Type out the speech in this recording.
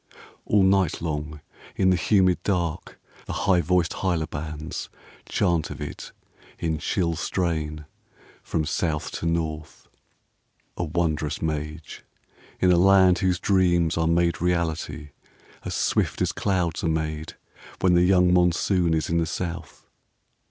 All night long in the humid dark the high voiced hyla bands Chant of it in chill strain from South to North. VIII A wondrous mage, in a land whose dreams are made reality As swift as clouds are made when the young Monsoon is in the South.